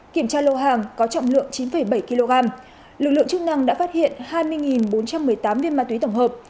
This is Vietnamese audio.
kiểm tra lô hàng có trọng lượng chín bảy kg lực lượng chức năng đã phát hiện hai mươi bốn trăm một mươi tám viên ma túy tổng hợp